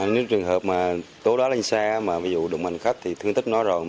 nếu trường hợp tố đá lên xe ví dụ đụng hành khách thì thương tích nó rồi